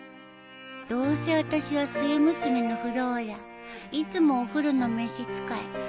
どうせ私は末娘のフローラいつもお古の召使い